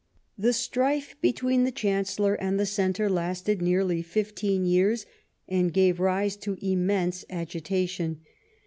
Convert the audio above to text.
The strife between the Chancellor and the Centre lasted nearly fifteen years, and gave rise to immense agitation.